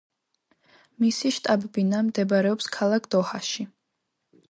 მისი შტაბ-ბინა მდებარეობს ქალაქ დოჰაში.